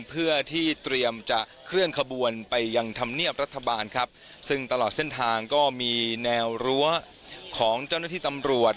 เพื่อที่เตรียมจะเคลื่อนขบวนไปยังธรรมเนียบรัฐบาลครับซึ่งตลอดเส้นทางก็มีแนวรั้วของเจ้าหน้าที่ตำรวจ